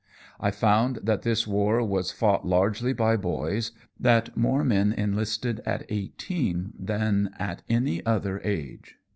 I found that this war was fought largely by boys, that more men enlisted at eighteen than at any other age.